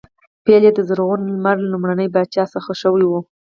پیل یې د زرغون لمر لومړي پاچا څخه شوی و